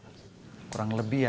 kurang lebih ya dua ratus